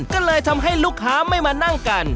ก็เลยทำให้ลูกค้าไม่มานั่งกัน